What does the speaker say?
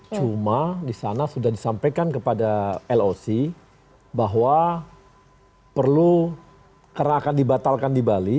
cuma di sana sudah disampaikan kepada loc bahwa perlu karena akan dibatalkan di bali